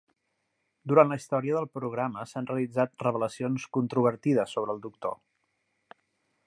Durant la història del programa s'han realitzat revelacions controvertides sobre el Doctor.